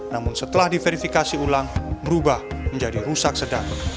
namun setelah diverifikasi ulang merubah menjadi rusak sedang